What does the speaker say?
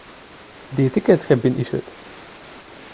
The tickets have been issued.